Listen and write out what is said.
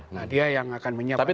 nah dia yang akan menyampaikan